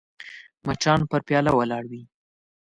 مچان پر پیاله ولاړ وي